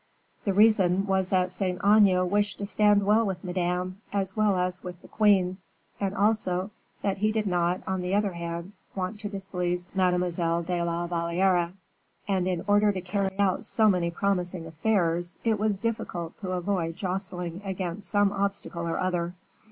The reason was that Saint Aignan wished to stand well with Madame, as well as with the queens, and also, that he did not, on the other hand, want to displease Mademoiselle de la Valliere: and in order to carry out so many promising affairs, it was difficult to avoid jostling against some obstacle or other.